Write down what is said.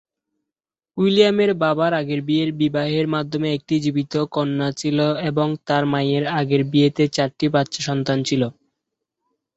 উইলিয়ামের বাবার আগের বিবাহের মাধ্যমে একটি জীবিত কন্যা ছিল এবং তার মায়ের আগের বিয়েতে চারটি বাচ্চা সন্তান ছিল।